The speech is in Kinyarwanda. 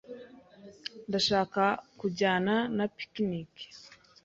Ndashaka kujyana na picnic.